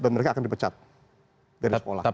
mereka akan dipecat dari sekolah